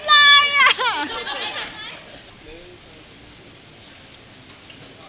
เลยสำหรับเรา